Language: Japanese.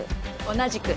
同じく。